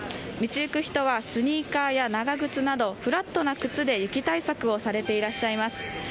道行く人はスニーカーや長靴などフラットな靴で雪対策をされていらっしゃいます。